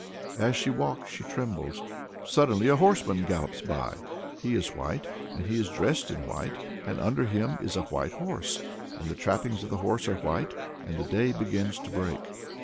As she walks she trembles. Suddenly a horseman gallops by. He is white, and he is dressed in white, under him is a white horse, and the trappings of the horse are white and the day begins to break.